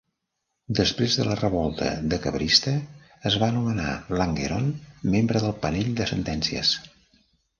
Després de la revolta Decabrista, es va nomenar Langeron membre del panell de sentències.